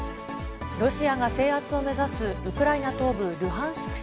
ロシアが制圧を目指すウクライナ東部ルハンシク